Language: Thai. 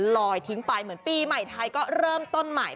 ลอยทิ้งไปเหมือนปีใหม่ไทยก็เริ่มต้นใหม่